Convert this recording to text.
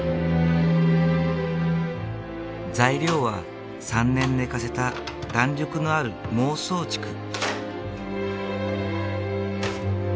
材料は３年寝かせた弾力のあるモウソウチク。